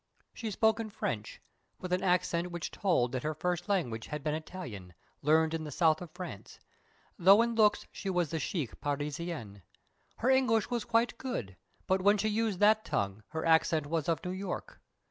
She spoke in French, with an accent which told that her first language had been Italian, learned in the south of France; though in looks she was the chic Parisienne. Her English was quite good, but when she used that tongue, her accent was of New York.